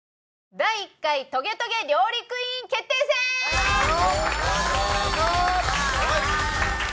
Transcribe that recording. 第１回トゲトゲ料理クイーン決定戦！ああああああ！